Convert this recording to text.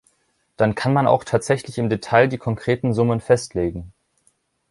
Dann kann man auch tatsächlich im Detail die konkreten Summen festlegen.